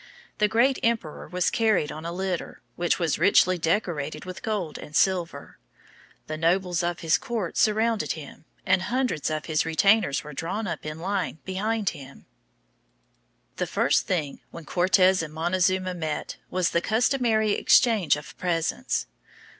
The great emperor was carried on a litter, which was richly decorated with gold and silver. The nobles of his court surrounded him, and hundreds of his retainers were drawn up in line behind him. [Illustration: Meeting of Cortes and Montezuma.] The first thing, when Cortes and Montezuma met, was the customary exchange of presents.